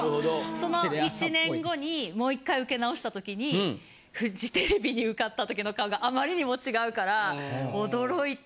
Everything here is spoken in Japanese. その１年後にもう１回受け直した時にフジテレビに受かった時の顔があまりにも違うから驚いて。